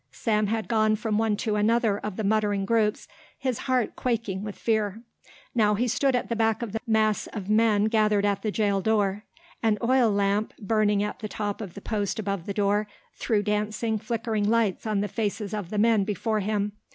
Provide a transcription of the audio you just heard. Sam had gone from one to another of the muttering groups, his heart quaking with fear. Now he stood at the back of the mass of men gathered at the jail door. An oil lamp, burning at the top of the post above the door, threw dancing, flickering lights on the faces of the men before him.